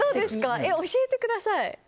教えてください。